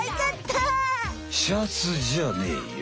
シャツじゃねえよ。